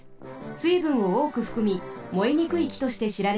すいぶんをおおくふくみもえにくいきとしてしられています。